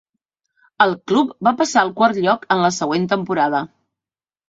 El club va passar al quart lloc en la següent temporada.